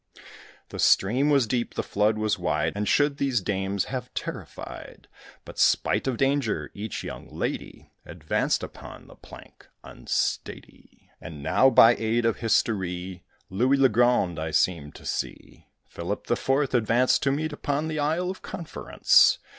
The stream was deep, the flood was wide, And should these dames have terrified; But, spite of danger, each young lady Advanced upon the plank unsteady. And now, by aid of history, Louis le Grand I seem to see Philip the Fourth advance to meet Upon the isle of conference.